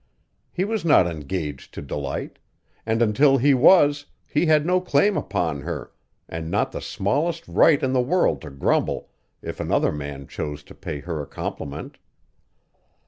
He was not engaged to Delight, and until he was he had no claim upon her and not the smallest right in the world to grumble if another man chose to pay her a compliment.